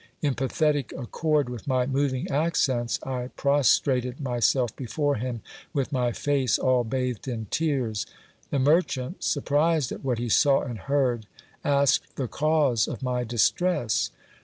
In pathetic accord with my moving accents, I prostrated myself before him, with my face all bathed in tears. The merchant, surprised at what he saw and heard, asked the cause of my distress.